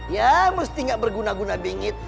ya mesti tidak berguna guna bingit